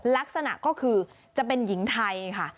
ลักษณะก็คือจะเป็นหญิงไทยค่ะ